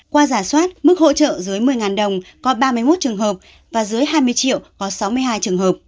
qua giả soát mức hỗ trợ dưới một mươi đồng có ba mươi một trường hợp và dưới hai mươi triệu có sáu mươi hai trường hợp